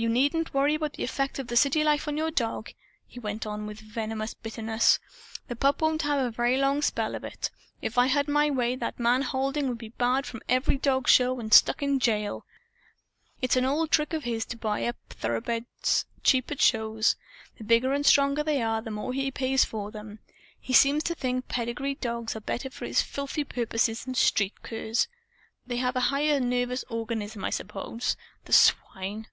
"You needn't worry about the effect of city life on your dog," he went on with venomous bitterness. "The pup won't have a very long spell of it. If I had my way, that man Halding would be barred from every dog show and stuck in jail. It's an old trick of his, to buy up thoroughbreds, cheap, at shows. The bigger and the stronger they are, the more he pays for them. He seems to think pedigreed dogs are better for his filthy purposes than street curs. They have a higher nervous organism, I suppose. The swine!"